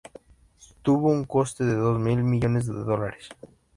Tuvo un coste de dos mil millones dólares.